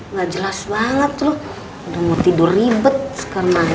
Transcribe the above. nggak jelas banget loh udah mau tidur ribet sekarang